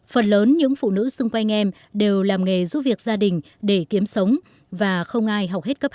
phần lớn những phụ nữ xung quanh em đều làm nghề giúp việc gia đình để kiếm sống và không ai học hết cấp hai